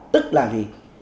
tức là gì